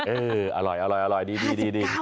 เอออร่อยดี